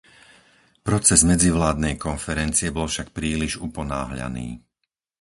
Proces medzivládnej konferencie bol však príliš uponáhľaný.